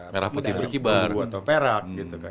merah putih berkibar atau perak